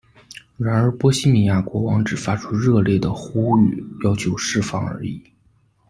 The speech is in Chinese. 然而波希米亚国王只发出热烈的呼吁要求释放而已。